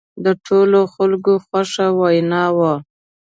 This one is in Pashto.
د ټولو خلکو خوښه وینا وه.